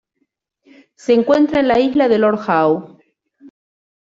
Se encuentra en el Isla de Lord Howe.